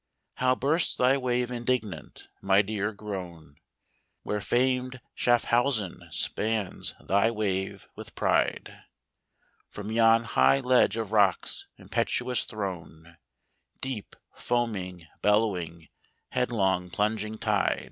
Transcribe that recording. How bursts thy wave indignant, mightier grown, Where famed Schaffhausen spans thy wave with pride; From yon high ledge of rocks, impetuous thrown, Deep, foaming, bellowing, headlong plunging tide.